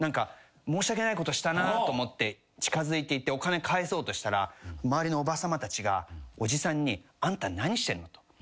申し訳ないことしたなと思って近づいていってお金返そうとしたら周りのおばさまたちがおじさんにあんた何してんの？と。